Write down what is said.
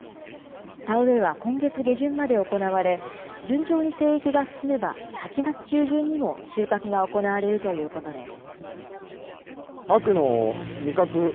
田植えは今月下旬まで行われ、順調に生育が進めば、８月中旬にも収穫が行われるということです。